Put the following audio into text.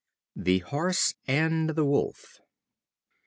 The Horse and the Wolf.